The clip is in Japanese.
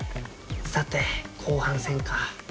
さて後半戦か。